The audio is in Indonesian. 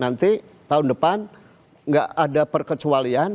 nanti tahun depan nggak ada perkecualian